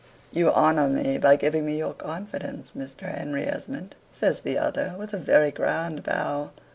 "You honor me by giving me your confidence, Mr. Henry Esmond," says the other, with a very grand bow.